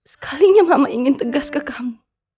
sekalinya mama ingin tegas ke kamu